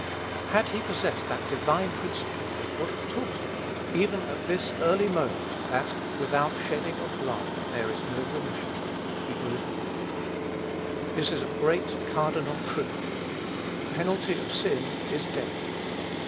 Had he possessed that divine principle, it would have taught him, even at this early moment, that "without shedding of blood there is no remission." (Heb. ix.) This is a great cardinal truth. The penalty of sin is death.